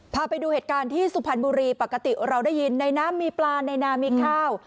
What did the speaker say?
พาไปดูเหตุการณ์ที่สุพรรณบุรีปกติเราได้ยินในน้ำมีปลาในนามีข้าว